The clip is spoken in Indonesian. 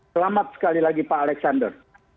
selamat sekali lagi pak alexander